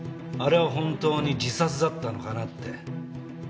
あれは本当に自殺だったのかなって。